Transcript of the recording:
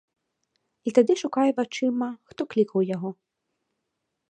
І тады шукае вачыма, хто клікаў яго.